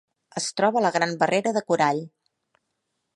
Es troba a la Gran Barrera de Corall.